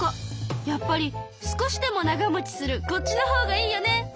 やっぱり少しでも長もちするこっちのほうがいいよね！